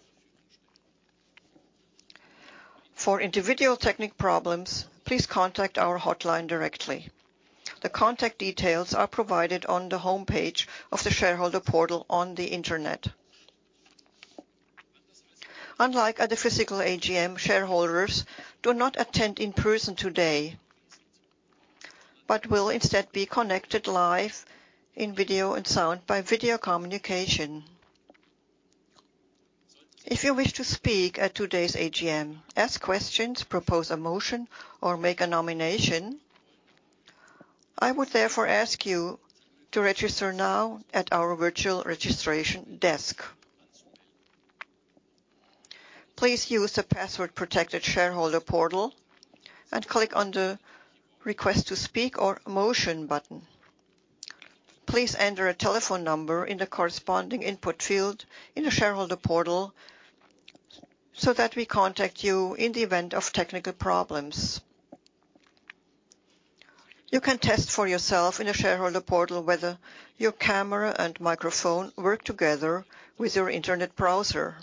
For individual technical problems, please contact our hotline directly. The contact details are provided on the homepage of the shareholder portal on the Internet. Unlike at the physical AGM, shareholders do not attend in person today, but will instead be connected live in video and sound by video communication. If you wish to speak at today's AGM, ask questions, propose a motion, or make a nomination, I would therefore ask you to register now at our virtual registration desk. Please use the password-protected shareholder portal and click on the Request to Speak or Motion button. Please enter a telephone number in the corresponding input field in the shareholder portal so that we contact you in the event of technical problems. You can test for yourself in the shareholder portal whether your camera and microphone work together with your Internet browser.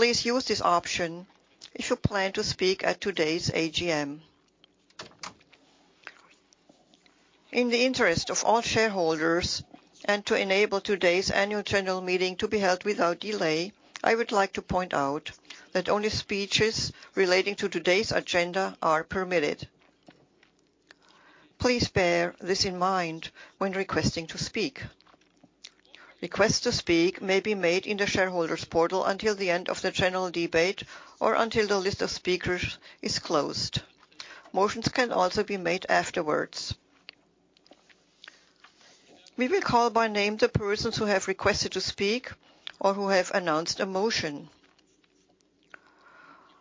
Please use this option if you plan to speak at today's AGM. In the interest of all shareholders and to enable today's annual general meeting to be held without delay, I would like to point out that only speeches relating to today's agenda are permitted. Please bear this in mind when requesting to speak. Requests to speak may be made in the shareholders portal until the end of the general debate or until the list of speakers is closed. Motions can also be made afterwards. We will call by name the persons who have requested to speak or who have announced a motion.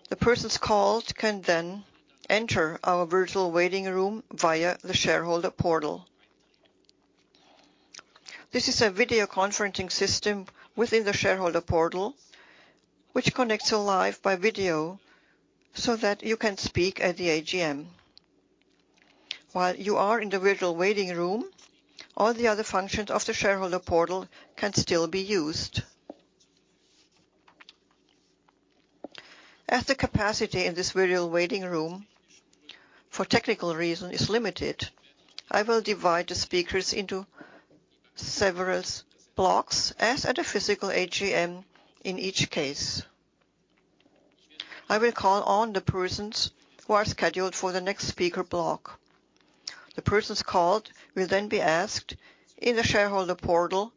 The persons called can then enter our virtual waiting room via the shareholder portal. This is a video conferencing system within the shareholder portal which connects you live by video so that you can speak at the AGM. While you are in the virtual waiting room, all the other functions of the shareholder portal can still be used. As the capacity in this virtual waiting room, for technical reason, is limited, I will divide the speakers into several blocks as at a physical AGM in each case. I will call on the persons who are scheduled for the next speaker block. The persons called will then be asked in the shareholder portal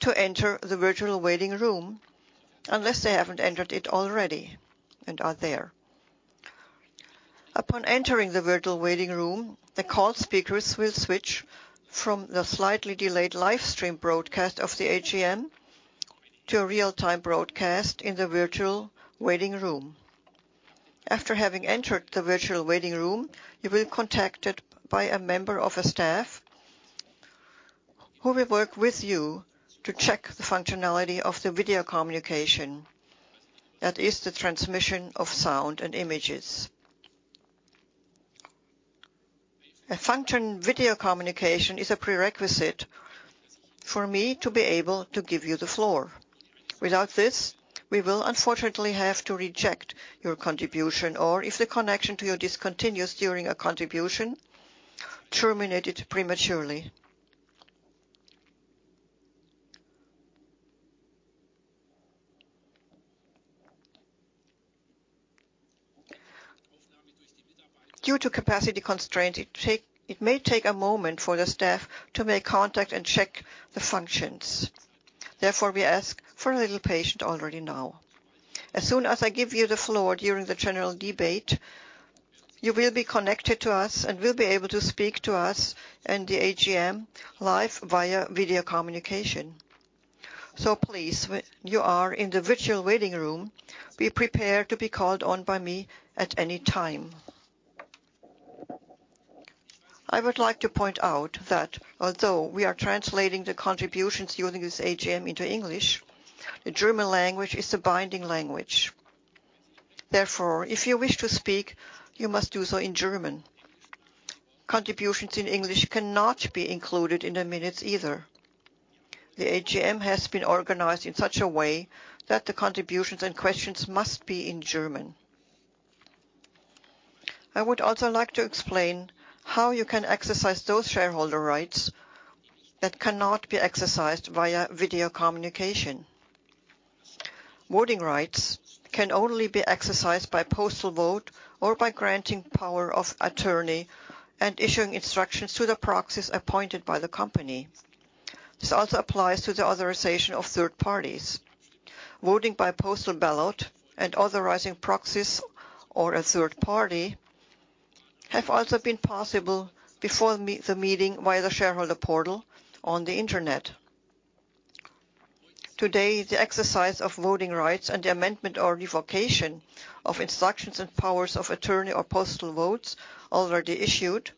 to enter the virtual waiting room unless they haven't entered it already and are there. Upon entering the virtual waiting room, the called speakers will switch from the slightly delayed live stream broadcast of the AGM to a real-time broadcast in the virtual waiting room. After having entered the virtual waiting room, you will be contacted by a member of the staff who will work with you to check the functionality of the video communication. That is the transmission of sound and images. A function video communication is a prerequisite for me to be able to give you the floor. Without this, we will unfortunately have to reject your contribution, or if the connection to you discontinues during a contribution, terminate it prematurely. Due to capacity constraints, it may take a moment for the staff to make contact and check the functions. We ask for a little patience already now. As soon as I give you the floor during the general debate, you will be connected to us and will be able to speak to us in the AGM live via video communication. Please, when you are in the virtual waiting room, be prepared to be called on by me at any time. I would like to point out that although we are translating the contributions during this AGM into English, the German language is the binding language. If you wish to speak, you must do so in German. Contributions in English cannot be included in the minutes either. The AGM has been organized in such a way that the contributions and questions must be in German. I would also like to explain how you can exercise those shareholder rights that cannot be exercised via video communication. Voting rights can only be exercised by postal vote or by granting power of attorney and issuing instructions to the proxies appointed by the company. This also applies to the authorization of third parties. Voting by postal ballot and authorizing proxies or a third party have also been possible before the meeting via the shareholder portal on the internet. The exercise of voting rights and the amendment or revocation of instructions and powers of attorney or postal votes already issued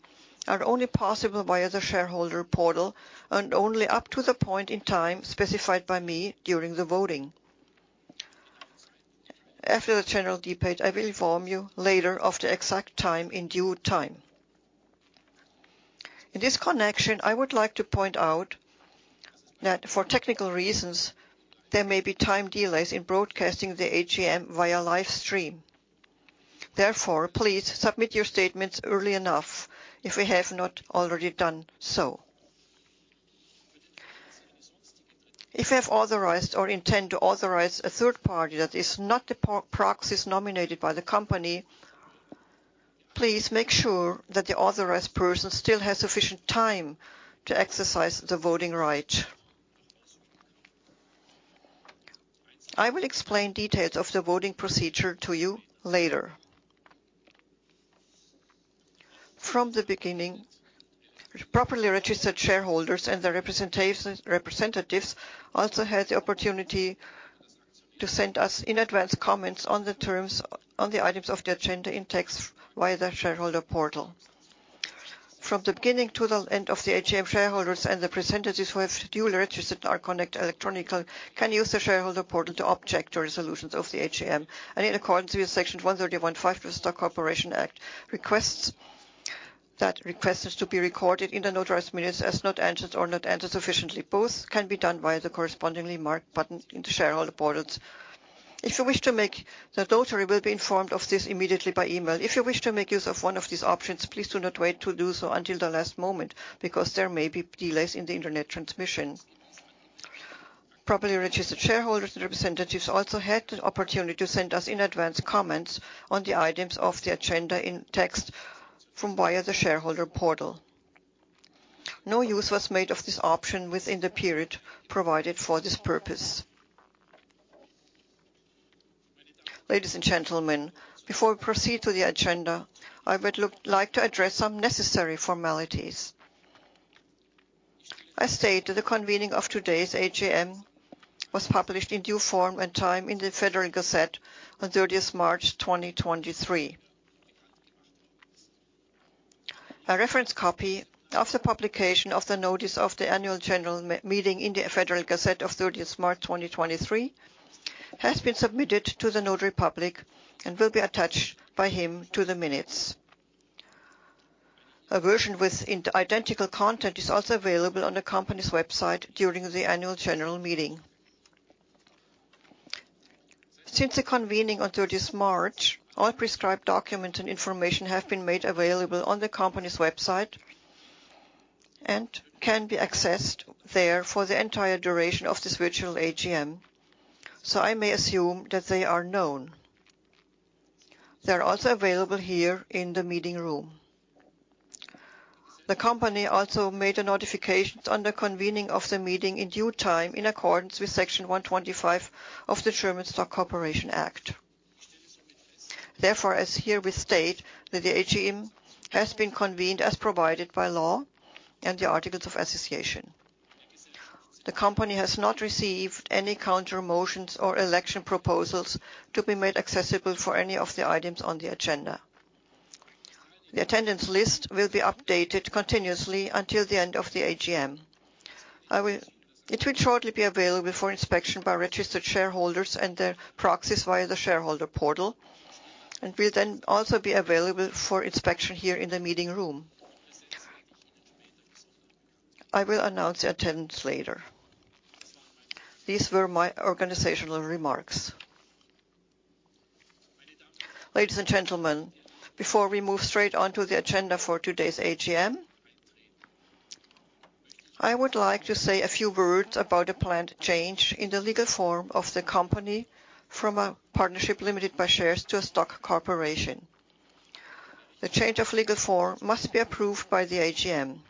are only possible via the shareholder portal and only up to the point in time specified by me during the voting. After the general debate, I will inform you later of the exact time in due time. In this connection, I would like to point out that for technical reasons, there may be time delays in broadcasting the AGM via live stream. Therefore, please submit your statements early enough if we have not already done so. If you have authorized or intend to authorize a third party that is not the pro-proxies nominated by the company, please make sure that the authorized person still has sufficient time to exercise the voting right. I will explain details of the voting procedure to you later. From the beginning, properly registered shareholders and their representatives also had the opportunity to send us in advance comments on the items of the agenda in text via the shareholder portal. From the beginning to the end of the AGM, shareholders and the representatives who have duly registered our connect electronically can use the shareholder portal to object to resolutions of the AGM. In accordance with Section 131 (5) of the Stock Corporation Act, That request is to be recorded in the notary's minutes as not answered or not answered sufficiently. Both can be done via the correspondingly marked button in the shareholder portals. The notary will be informed of this immediately by email. If you wish to make use of one of these options, please do not wait to do so until the last moment because there may be delays in the internet transmission. Properly registered shareholders and representatives also had the opportunity to send us in advance comments on the items of the agenda in text from via the shareholder portal. No use was made of this option within the period provided for this purpose. Ladies and gentlemen, before we proceed to the agenda, I would like to address some necessary formalities. I state that the convening of today's AGM was published in due form and time in the Federal Gazette on 30th March, 2023. A reference copy of the publication of the notice of the annual general meeting in the Federal Gazette of 30th March, 2023, has been submitted to the notary public and will be attached by him to the minutes. A version with identical content is also available on the company's website during the annual general meeting. Since the convening on 30th March, all prescribed documents and information have been made available on the company's website and can be accessed there for the entire duration of this virtual AGM, I may assume that they are known. They're also available here in the meeting room. The company also made a notification on the convening of the meeting in due time in accordance with Section 125 of the German Stock Corporation Act. As here we state that the AGM has been convened as provided by law and the articles of association. The company has not received any countermotions or election proposals to be made accessible for any of the items on the agenda. The attendance list will be updated continuously until the end of the AGM. It will shortly be available for inspection by registered shareholders and their proxies via the shareholder portal, and will then also be available for inspection here in the meeting room. I will announce the attendance later. These were my organizational remarks. Ladies and gentlemen, before we move straight onto the agenda for today's AGM, I would like to say a few words about the planned change in the legal form of the company from a partnership limited by shares to a stock corporation. The change of legal form must be approved by the AGM.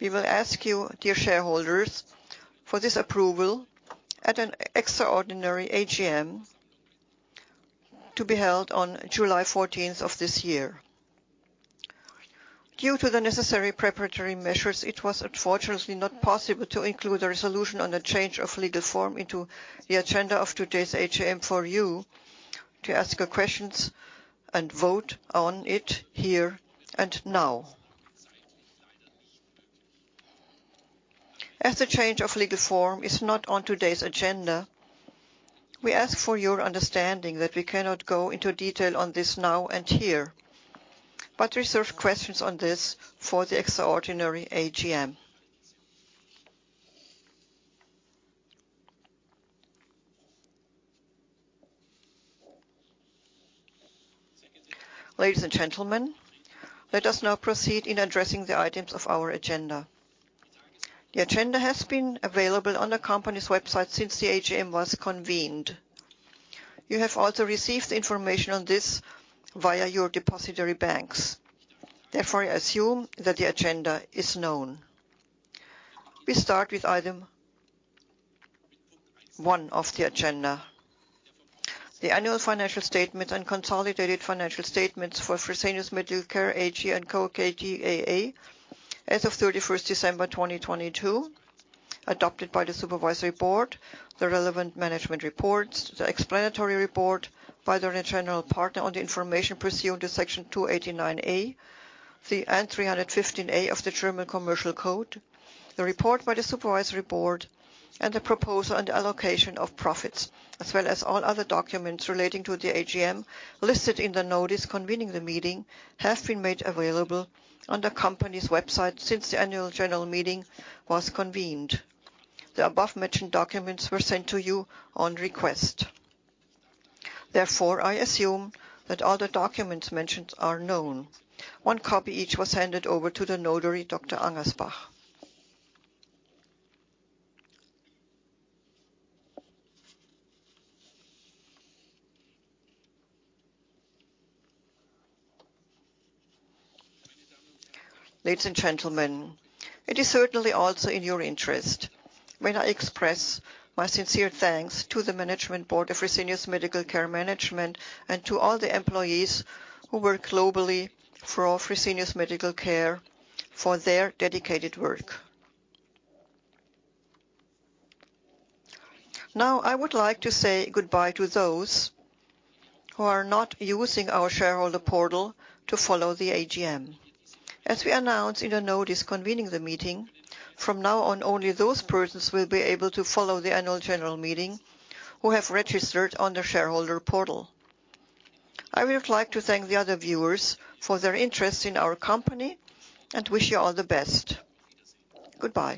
We will ask you, dear shareholders, for this approval at an extraordinary AGM to be held on July 14th of this year. Due to the necessary preparatory measures, it was unfortunately not possible t o include a resolution on the change of legal form into the agenda of today's AGM for you to ask your questions and vote on it here and now. As the change of legal form is not on today's agenda, we ask for your understanding that we cannot go into detail on this now and here, but reserve questions on this for the extraordinary AGM. Ladies and gentlemen, let us now proceed in addressing the items of our agenda. The agenda has been available on the company's website since the AGM was convened. You have also received information on this via your depository banks, therefore I assume that the agenda is known. We start with item one of the agenda. The annual financial statement and consolidated financial statements for Fresenius Medical Care AG & Co. KGaA as of thirty-first December, twenty twenty-two, adopted by the supervisory board, the relevant management reports, the explanatory report by the general partner on the information pursued to Section 289a and 315a of the German Commercial Code, the report by the supervisory board, and the proposal and allocation of profits, as well as all other documents relating to the AGM listed in the notice convening the meeting, have been made available on the company's website since the annual general meeting was convened. The above-mentioned documents were sent to you on request. Therefore, I assume that all the documents mentioned are known. One copy each was handed over to the notary, Dr. Angersbach. Ladies and gentlemen, it is certainly also in your interest when I express my sincere thanks to the management board of Fresenius Medical Care management and to all the employees who work globally for Fresenius Medical Care for their dedicated work. Now I would like to say goodbye to those who are not using our shareholder portal to follow the AGM. As we announced in the notice convening the meeting, from now on, only those persons will be able to follow the annual general meeting who have registered on the shareholder portal. I would like to thank the other viewers for their interest in our company and wish you all the best. Goodbye.